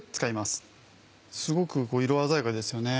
すごく色鮮やかですよね。